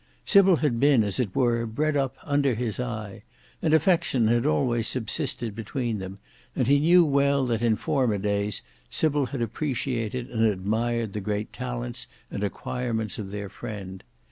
Sybil had been, as it were, bred up under his eye; an affection had always subsisted between them, and he knew well that in former days Sybil had appreciated and admired the great talents and acquirements of their friend.